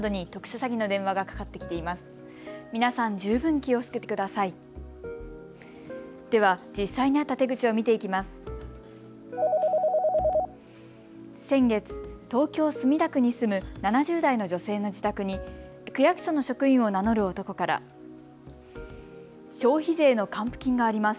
先月、東京墨田区に住む７０代の女性の自宅に区役所の職員を名乗る男から消費税の還付金があります。